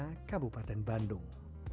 priyana kabupaten bandung